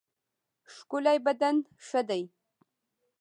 ښکلی بدن ښه دی.